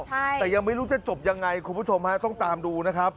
แต่ยังไม่รู้จะจบยังไงคุณผู้ชมฮะต้องตามดูนะครับ